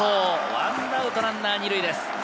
１アウトランナー２塁です。